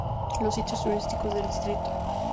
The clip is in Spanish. Los sitios turísticos del distrito.